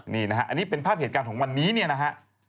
นี่นะฮะอันนี้เป็นภาพเหตุการณ์ของวันนี้เนี่ยนะฮะ